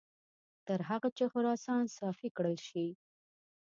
تر هغه چې خراسان صافي کړل شي.